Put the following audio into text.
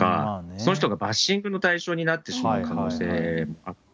その人がバッシングの対象になってしまう可能性があって。